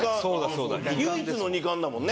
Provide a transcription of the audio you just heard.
そうだそうだ。